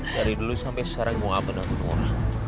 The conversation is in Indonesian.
dari dulu sampai sekarang gue amat nak berumur